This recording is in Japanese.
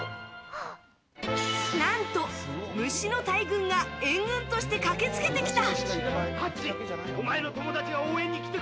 何と、虫の大群が援軍として駆けつけてきた。